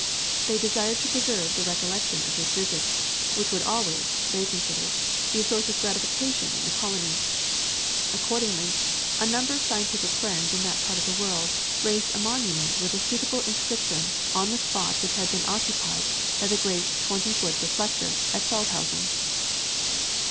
They desired to preserve the recollection of this visit, which would always, they considered, be a source of gratification in the colony. Accordingly, a number of scientific friends in that part of the world raised a monument with a suitable inscription, on the spot which had been occupied by the great twenty foot reflector at Feldhausen.